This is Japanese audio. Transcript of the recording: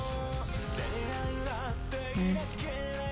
うん。